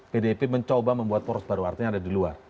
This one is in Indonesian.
pdip mencoba membuat poros baru artinya ada di luar